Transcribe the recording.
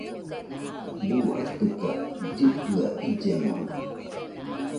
¿Buu atɨka llɨkɨa illemona?